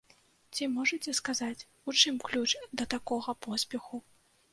Ці можаце сказаць, у чым ключ да такога поспеху?